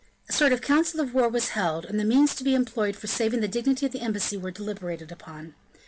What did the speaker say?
A sort of council of war was held, and the means to be employed for saving the dignity of the embassy were deliberated upon.